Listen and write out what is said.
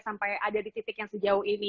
sampai ada di titik yang sejauh ini